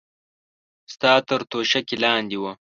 ستا تر توشکې لاندې وه.